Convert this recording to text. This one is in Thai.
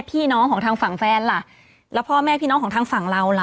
พี่น้องของทางฝั่งแฟนล่ะแล้วพ่อแม่พี่น้องของทางฝั่งเราล่ะ